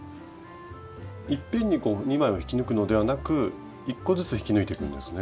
いっぺんに２枚を引き抜くのではなく１個ずつ引き抜いていくんですね。